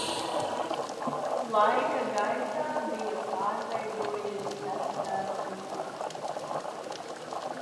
Laika gaitā bija pārveidojies vectēva uzvārds.